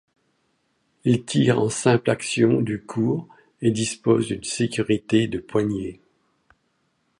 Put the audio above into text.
Ils tirent en simple action du Court et disposent d'une sécurité de poignée.